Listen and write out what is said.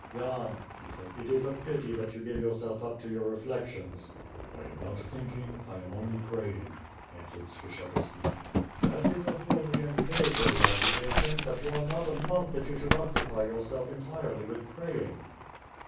"Yan," he said, "it is a pity that you give yourself up to your reflections." "1 am not thinking, I am only praying," answered Skshetu ski. "That is a holy and praiseworthy occupation, but you are not a monk that you should occupy yourself entirely with praying."